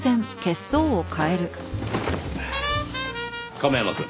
亀山くん。